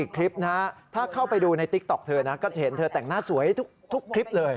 คลิปนะถ้าเข้าไปดูในติ๊กต๊อกเธอนะก็จะเห็นเธอแต่งหน้าสวยทุกคลิปเลย